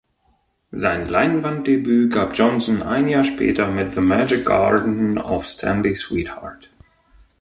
Sein Leinwanddebüt gab Johnson ein Jahr später mit "The Magic Garden of Stanley Sweetheart".